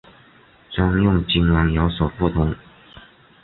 专用经文有所不同。